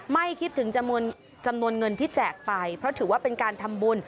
ไม่คิดถึงจำนวนเงินที่แจกไปเพราะถือว่าเป็นการทำบุญ